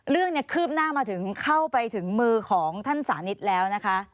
เรื่องเนี่ยคืบหน้ามาถึงเข้าไปถึงมือของท่านสานิทแล้วนะคะ